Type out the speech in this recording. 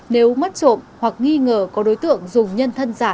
nếu mất trộm hoặc nghi ngờ có đối tượng dùng nhân thân giả